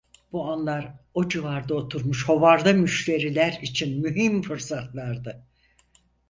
Bu anlar o civarda oturmuş hovarda müşteriler için mühim fırsatlardı.